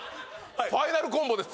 ファイナルコンボです